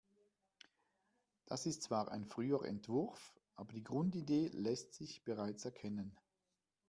Das ist zwar ein früher Entwurf, aber die Grundidee lässt sich bereits erkennen.